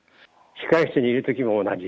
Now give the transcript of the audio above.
控え室にいるときも同じ。